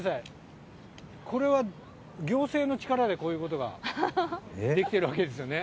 これは、行政の力でこういうことができてるわけですよね。